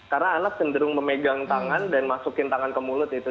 karena anak cenderung memegang tangan dan masukin tangan ke mulut itu